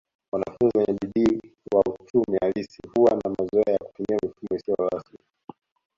Wanafunzi wenye bidii wa uchumi halisi huwa na mazoea ya kutumia mifumo isiyo rasmi